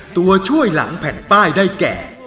ตัวช่วยหลังแผ่นป้ายได้แก่